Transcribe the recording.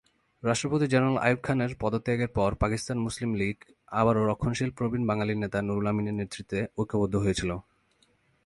রাষ্ট্রপতি জেনারেল আইয়ুব খানের পদত্যাগের পর পাকিস্তান মুসলিম লীগ আবারও রক্ষণশীল প্রবীণ বাঙালি নেতা নুরুল আমিনের নেতৃত্বে ঐক্যবদ্ধ হয়েছিল।